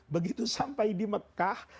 begitu sampai di mekah